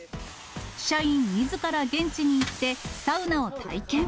社員みずから、現地に行って、サウナを体験。